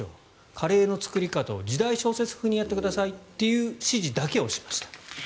カレーの作り方を時代小説風にしてくださいと指示だけをしました。